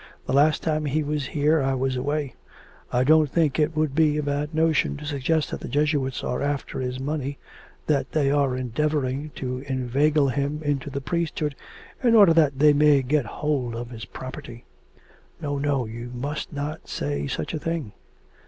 The last time he was here I was away. I don't think it would be a bad notion to suggest that the Jesuits are after his money that they are endeavouring to inveigle him into the priesthood in order that they may get hold of his property.' 'No, no; you must not say such a thing.